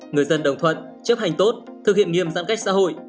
người dân đồng thuận chấp hành tốt thực hiện nghiêm giãn cách xã hội